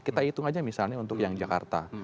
kita hitung aja misalnya untuk yang jakarta